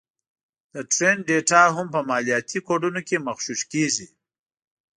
د ټرینډ ډېټا هم په مالياتي کوډونو کې مغشوش کېږي